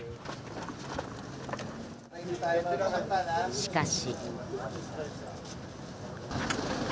しかし。